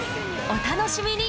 お楽しみに！